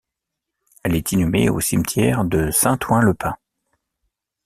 Elle est inhumée au cimetière de Saint-Ouen-le-Pin.